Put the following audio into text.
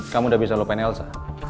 kamu udah bisa lupain elsa